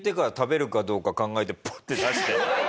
プッて出して。